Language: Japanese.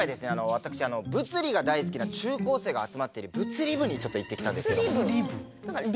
私物理が大好きな中高生が集まっている物理部にちょっと行ってきたんですけども。